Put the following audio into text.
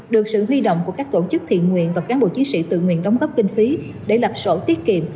được sự huy động của các tổ chức thiện nguyện và cán bộ chiến sĩ tự nguyện đóng góp kinh phí để lập sổ tiết kiệm